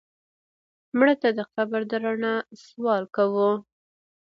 مړه ته د قبر د رڼا سوال کوو